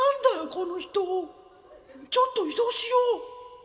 この人ちょっと移動しよう